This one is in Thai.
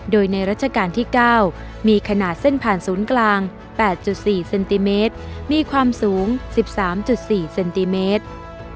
โดยในรัชกาลที่๙มีขนาดเส้นผ่านศูนย์กลาง๘๔เซนติเมตรมีความสูง๑๓๔เซนติเมตร